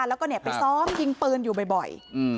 แล้วก็ไปซ้อมยิงปืนอยู่บ่อย